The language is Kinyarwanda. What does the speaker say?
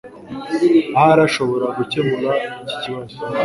Ahari ashobora gukemura iki kibazo.